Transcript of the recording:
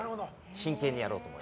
真剣にやろうと思って。